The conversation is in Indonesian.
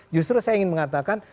justru saya ingin mengatakan